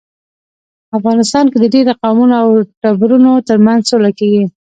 افغانستان کې د ډیرو قومونو او ټبرونو ترمنځ سوله کیږي